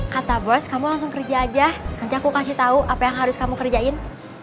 kata bos kamu langsung kerja aja nanti aku kasih tau apa yang harus kamu kerjain